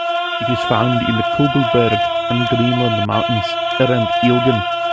It is found in the Kogelberg and Greenland mountains around Elgin.